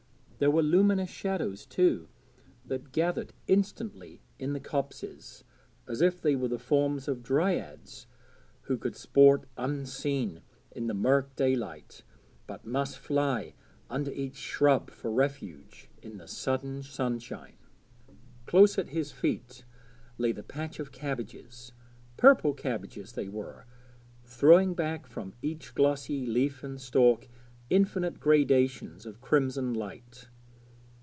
There were luminous shadows, too, that gathered instantly in the copses, as if they were the forms of dryads who could sport unseen in the murk daylight, but must fly under each shrub for refuge in the sudden sunshine. Close at his feet lay the patch of cabbages purple cabbages they were, throwing back from each glossy leaf and stalk infinite gradations of crimson light.